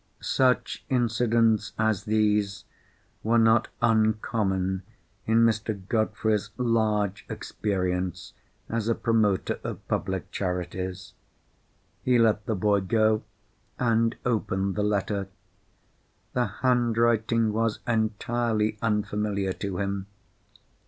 Such incidents as these were not uncommon in Mr. Godfrey's large experience as a promoter of public charities. He let the boy go, and opened the letter. The handwriting was entirely unfamiliar to him.